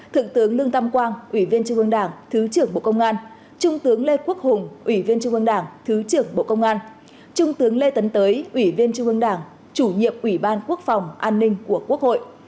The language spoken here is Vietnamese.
thượng tướng lương tam quang ủy viên trung ương đảng thứ trưởng bộ công an trung tướng lê quốc hùng ủy viên trung ương đảng thứ trưởng bộ công an trung tướng lê tấn tới ủy viên trung ương đảng chủ nhiệm ủy ban quốc phòng an ninh của quốc hội